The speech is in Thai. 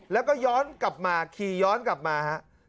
แล้วก็ย้อนกลับมาขี่ย้อนกลับมาฮะ